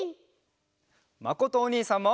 まことおにいさんも。